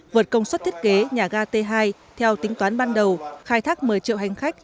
vượt công suất thiết kế nhà ga t hai theo tính toán ban đầu khai thác một mươi triệu hành khách